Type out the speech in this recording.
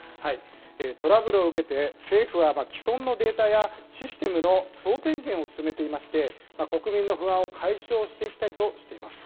トラブルを受けて、政府は既存のデータやシステムの総点検を進めていまして、国民の不安を解消していきたいとしています。